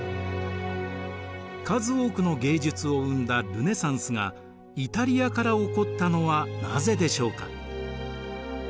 数多くの芸術を生んだルネサンスがイタリアから起こったのはなぜでしょうか？